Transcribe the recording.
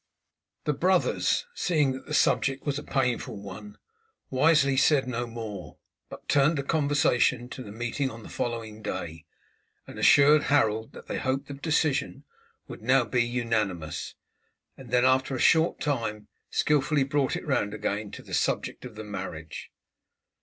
The brothers, seeing that the subject was a painful one, wisely said no more, but turned the conversation to the meeting on the following day, and assured Harold that they hoped the decision would now be unanimous, and then after a short time skilfully brought it round again to the subject of the marriage.